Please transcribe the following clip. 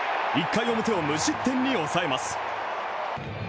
１回表を無失点に抑えます。